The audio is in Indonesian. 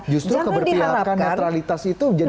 justru keberpihakan netralitas itu jadi